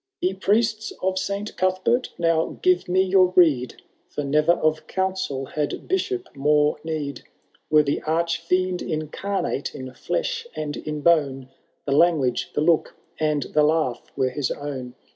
Ye Priests of Saint Cuthbeitt now give me your rede. For never of counsel had Bishop more need ! Were the arch fiend incarnate in flesh and in bone, The language, the look, and the laugh, were his own.